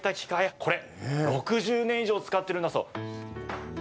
これ、６０年以上使っているんだそう。